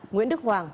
nguyễn đức hoàng